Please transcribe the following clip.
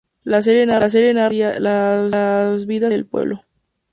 La serie narra las vidas de la gente del pueblo.